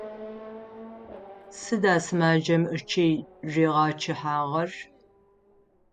Сыда сымаджэм ычый ригъэчъыхьагъэр?